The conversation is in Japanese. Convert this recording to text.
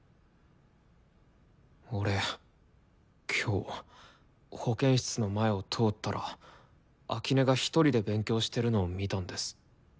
俺今日保健室の前を通ったら秋音がひとりで勉強してるのを見たんです。